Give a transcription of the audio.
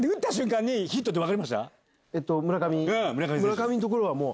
村上のところはもう。